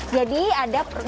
jadi ada perjuangan